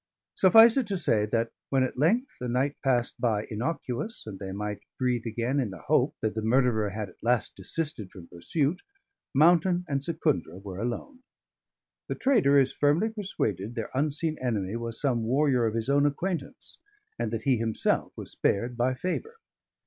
Suffice it to say that when at length a night passed by innocuous, and they might breathe again in the hope that the murderer had at last desisted from pursuit, Mountain and Secundra were alone. The trader is firmly persuaded their unseen enemy was some warrior of his own acquaintance, and that he himself was spared by favour.